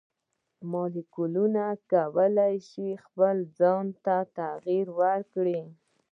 مالیکولونه کولی شي خپل ځای ته تغیر ورکړي.